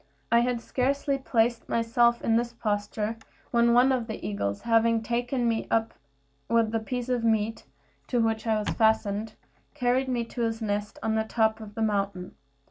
I had scarcely placed myself in this posture when one of the eagles, having taken me up with the piece of meat to which I was fastened, carried me to his nest on the top of the mountain.